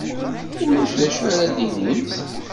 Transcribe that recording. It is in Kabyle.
Ulac d acu ara d-tinimt?